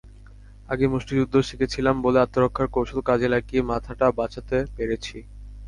আগে মুষ্টিযুদ্ধ শিখেছিলাম বলে আত্মরক্ষার কৌশল কাজে লাগিয়ে মাথাটা বাঁচাতে পেরেছি।